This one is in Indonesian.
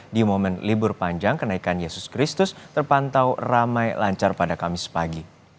di momen libur panjang kenaikan yesus kristus terpantau ramai lancar pada kamis pagi